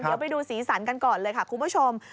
เดี๋ยวไปดูสีสันกันก่อนเลยค่ะคุณผู้ชม